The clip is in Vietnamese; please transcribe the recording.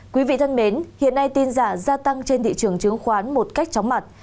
quý vị thân mến hiện nay tin giả gia tăng trên thị trường chứng khoán một cách chóng mặt